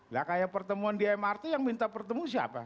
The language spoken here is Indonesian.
lah kayak pertemuan di mrt yang minta pertemu siapa